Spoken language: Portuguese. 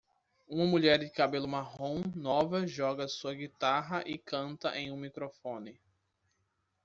Uma mulher de cabelo marrom nova joga sua guitarra e canta em um microfone.